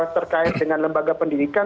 terkait dengan lembaga pendidikan